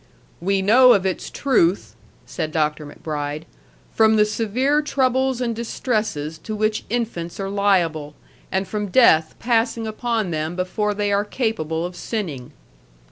"We know of its truth," said Dr. MacBride, "from the severe troubles and distresses to which infants are liable, and from death passing upon them before they are capable of sinning."